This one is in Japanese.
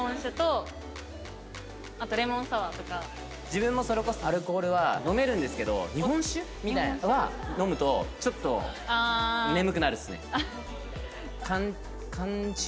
自分もそれこそアルコールは飲めるんですけど日本酒みたいなのは飲むとちょっと眠くなるっすね。